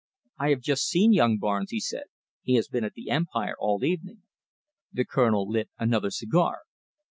"I have just seen young Barnes," he said. "He has been at the Empire all the evening." The Colonel lit another cigar.